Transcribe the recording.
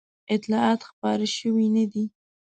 اطلاعات خپاره شوي نه دي.